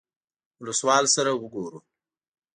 اولسوال سره وګورو.